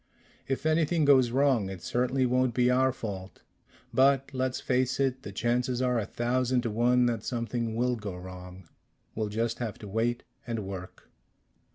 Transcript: "If anything goes wrong, it certainly won't be our fault. But let's face it the chances are a thousand to one that something will go wrong. We'll just have to wait. And work."